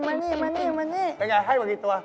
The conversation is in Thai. เป็นไงให้มากี่ตัว